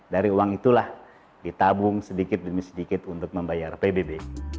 dari uang itulah ditabung sedikit demi sedikit untuk membayar pbb